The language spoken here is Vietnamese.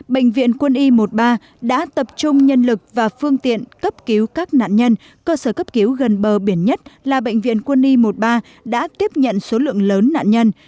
bệnh viện quân y một mươi ba đã tập trung nhân lực và phương tiện cấp cứu các nạn nhân cơ sở cấp cứu gần bờ biển nhất là bệnh viện quân y một mươi ba đã tiếp nhận số lượng lớn nạn nhân